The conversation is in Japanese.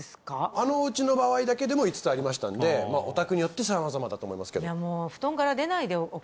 あのお家の場合だけでも５つありましたんでお宅によって様々だと思いますけどいや